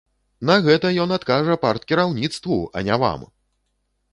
На гэта ён адкажа парткіраўніцтву, а не вам!